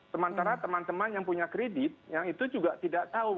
sementara teman teman yang punya kredit yang itu juga tidak tahu